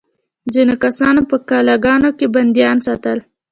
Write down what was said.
ځینو کسانو په قلعه ګانو کې بندیان ساتل.